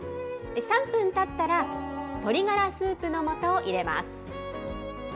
３分たったら鶏がらスープのもとを入れます。